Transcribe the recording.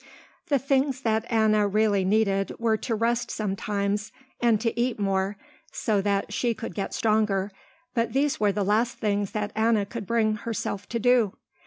The things that Anna really needed were to rest sometimes and eat more so that she could get stronger, but these were the last things that Anna could bring herself to do.